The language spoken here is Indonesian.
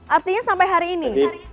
artinya sampai hari ini